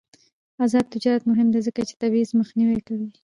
آزاد تجارت مهم دی ځکه چې تبعیض مخنیوی کوي.